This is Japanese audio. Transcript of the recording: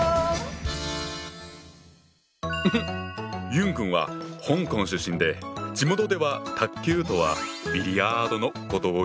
ユン君は香港出身で地元では卓球とはビリヤードのことを言うんだ。